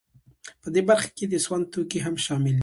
په دې برخه کې د سون توکي هم شامل دي